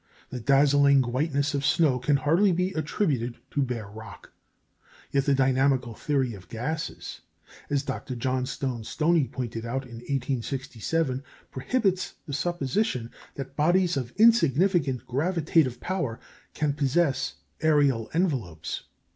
The dazzling whiteness of snow can hardly be attributed to bare rock; yet the dynamical theory of gases as Dr. Johnstone Stoney pointed out in 1867 prohibits the supposition that bodies of insignificant gravitative power can possess aerial envelopes.